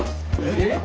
えっ！？